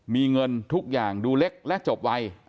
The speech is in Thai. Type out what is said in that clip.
มีเงินทุกอย่างดูเล็กและจบไว